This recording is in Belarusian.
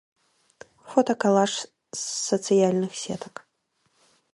Фотакалаж з сацыяльных сетак.